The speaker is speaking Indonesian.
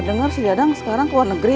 dengar sekarang sekarang ke luar negeri ya